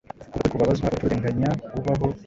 Kubwukuri kubabazwa urupfu rurenganya, ubaho